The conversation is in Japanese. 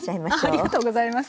ありがとうございます。